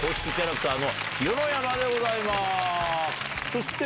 そして。